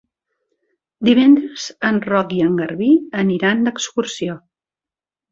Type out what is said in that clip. Divendres en Roc i en Garbí aniran d'excursió.